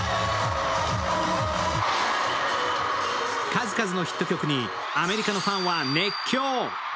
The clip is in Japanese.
数々のヒット曲にアメリカのファンは熱狂。